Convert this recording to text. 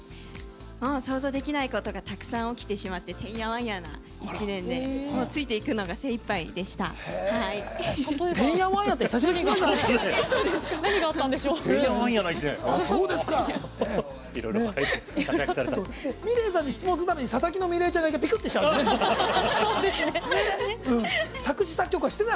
想像できないことがたくさん起きてしまっててんやわんやな１年でついていくのがてんやわんやって久しぶりに聞きました。